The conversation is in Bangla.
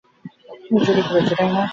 আশার জেঠামশায়ের ফিরিবার সময় হইল।